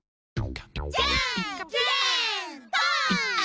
じゃんけんぽん！